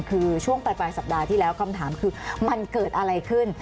คือช่วงปลายสัปดาห์ที่แล้วคำถามคือมันเกิดอะไรขึ้น